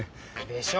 でしょ？